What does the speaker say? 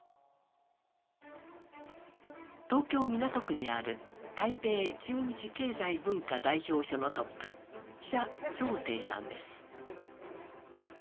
東京・港区にある台北駐日経済文化代表処のトップ、謝長廷さんです。